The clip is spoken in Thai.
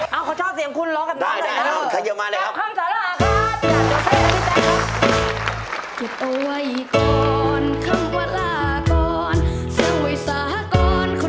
เอาเขาชอบเสียงคุณร้องกับน้องหน่อยนะ